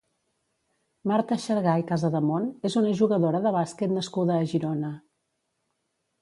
Marta Xargay Casademont és una jugadora de bàsquet nascuda a Girona.